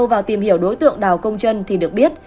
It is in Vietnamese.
đi sâu vào tìm hiểu đối tượng đào công trân thì được biết